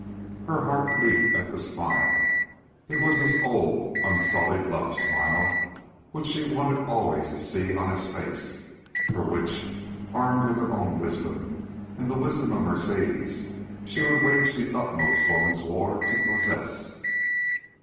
Her heart leaped at the smile. It was his old, unsullied love smile which she wanted always to see on his face for which, armed with her own wisdom and the wisdom of Mercedes, she would wage the utmost woman's war to possess.